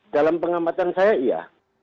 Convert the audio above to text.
dalam pengamatan saya iya